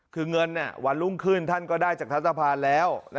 คือเงินวันรุ่งขึ้นท่านก็ได้จากทัศภาแล้ว